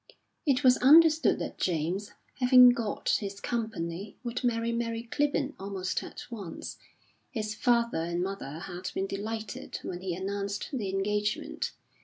It was understood that James, having got his Company, would marry Mary Clibborn almost at once. His father and mother had been delighted when he announced the engagement.